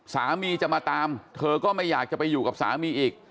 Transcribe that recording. สามีจะมาตามเธอก็ไม่อยากจะไปอยู่กับสามีอีก